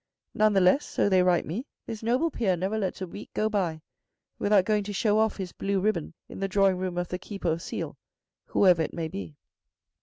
None the less, so they write me, this noble peer never lets a week go by without going to show off his blue ribbon in the drawing room of the Keeper of Seal, whoever it may be.